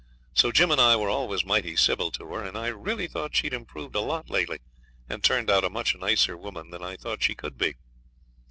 So Jim and I were always mighty civil to her, and I really thought she'd improved a lot lately and turned out a much nicer woman than I thought she could be.